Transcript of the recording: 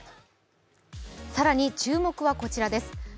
更に注目はこちらです。